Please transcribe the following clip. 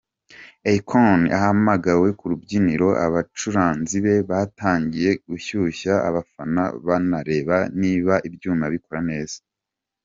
Akon ahamagawe ku rubyiniro, abacuranzi be batangiye gushyushya abafana banareba niba ibyuma bikora neza.